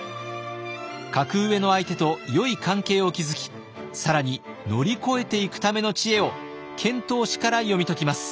格上の相手とよい関係を築き更に乗り越えていくための知恵を遣唐使から読み解きます。